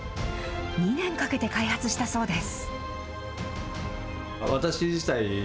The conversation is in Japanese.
２年かけて開発したそうです。